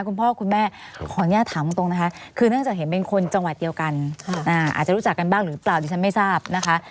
คุณพ่อคุณแม่ขออนุญาตถามตรงนะคะคือเนื่องจากเห็นเป็นคนจังหวัดเดียวกันอาจจะรู้จักกันบ้างหรือเปล่าดิฉันไม่ทราบนะคะ